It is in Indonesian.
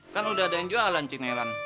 kan udah ada yang jualan cik nelan